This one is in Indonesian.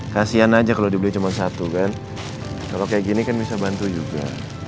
kasian aja kalau dibeli cuma satu kan kalau kayak gini kan bisa bantu juga